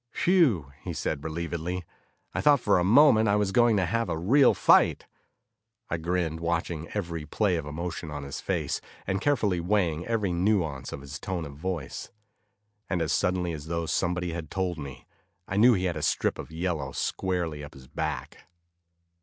"Whew!" he said relievedly, "I thought for a moment we were going to have a real fight." I grinned, watching every play of emotion on his face, and carefully weighing every nuance in his tone of voice. And as suddenly as though somebody had told me, I knew he had a strip of yellow squarely up his back.